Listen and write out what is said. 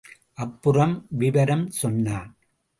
அப்புறம் விவரம் சொன்னான்.